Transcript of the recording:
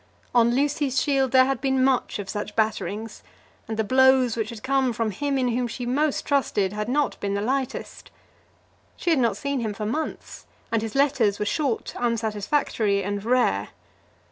On Lucy's shield there had been much of such batterings, and the blows which had come from him in whom she most trusted had not been the lightest. She had not seen him for months, and his letters were short, unsatisfactory, and rare.